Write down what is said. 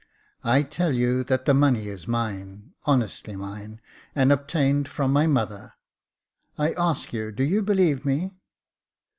I tell you that the money is mine, honestly mine, and obtained from my mother. I ask you, do you believe me